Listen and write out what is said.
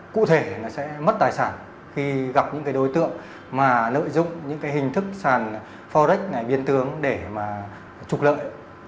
cụ thể là sẽ mất tài sản khi gặp những đối tượng mà lợi dụng những hình thức sàn forex biên tướng để trục lợi